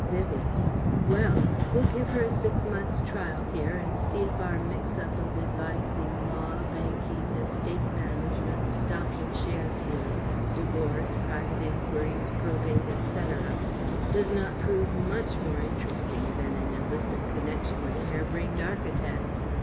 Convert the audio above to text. Vivie: "Well! We'll give her a six months' trial here, and see if our mix up of advice in Law, Banking, Estate management, Stock and share dealing, Divorce, Private Enquiries, probate, etc., does not prove much more interesting than an illicit connection with a hare brained architect....